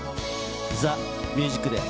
ＴＨＥＭＵＳＩＣＤＡＹ